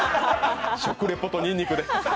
食リポとにんにくで。